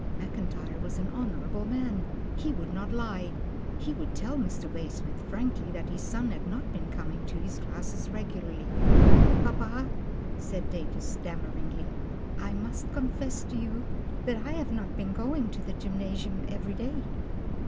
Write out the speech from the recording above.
Mackin tyre was an honourable man. He would not lie, he would tell Mr. Waysmith frankly that his son had not been coming to his classes regularly. Papa," said Datus, stammeringly, " I must con fess to you that I have not been going to the gym nasium every day."